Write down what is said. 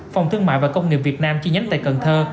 phòng thương mại và công nghiệp việt nam chi nhánh tại cần thơ